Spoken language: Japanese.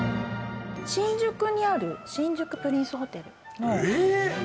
新宿にある新宿プリンスホテルのええー！？